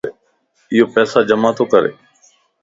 ايو پيسا جمع تو ڪري